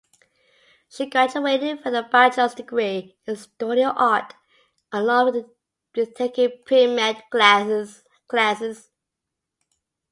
She graduated with a bachelor's degree in studio art along with taking pre-med classes.